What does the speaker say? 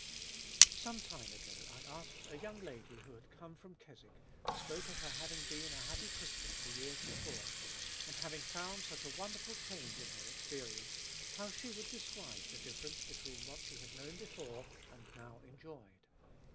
1. Some time ago I ashed a young lady who had come from Kesuiich, and spoke of her having been a happy Christian for years before, and having found such a wonderful change in her experience, how she would describe the difference between what she had known before and now enjoyed.